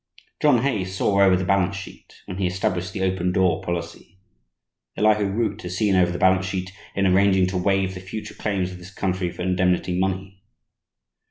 John Hay saw over the balance sheet, when he established the "open door" policy. Elihu Root has seen over the balance sheet in arranging to waive the future claims of this country for indemnity money.